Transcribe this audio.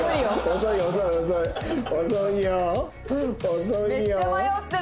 遅いよ。